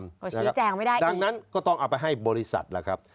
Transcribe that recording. ก็ชี้แจงไม่ได้ดังนั้นก็ต้องเอาไปให้บริษัทล่ะครับ